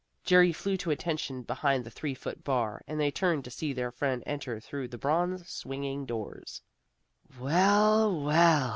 Jerry flew to attention behind the three foot bar, and they turned to see their friend enter through the bronze swinging doors. "Well, well!"